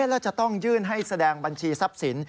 แล้วจะต้องยื่นให้แสดงบัญชีทรัพย์สิน